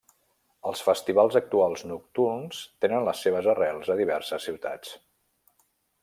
Els festivals actuals nocturns tenen les seves arrels a diverses ciutats.